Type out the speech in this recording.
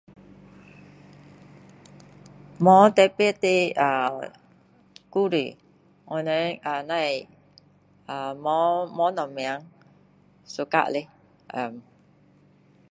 无特別的 ahh 故事，我们 ahh 只是 ahh 无无什么，suka 的 ehh